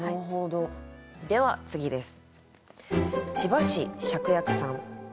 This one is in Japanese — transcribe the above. では次です。